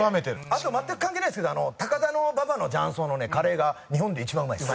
あと全く関係ないですけど高田馬場の雀荘のねカレーが日本で一番うまいです。